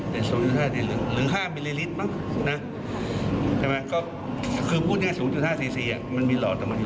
เพราะทุกคนก็จะได้เท่านั้น